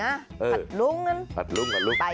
ไปนะฝัดลุ้งกัน